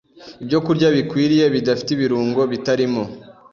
Ibyokurya bikwiriye, bidafite ibirungo, bitarimo